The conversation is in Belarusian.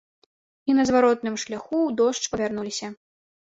І на зваротным шляху ў дождж перавярнуліся.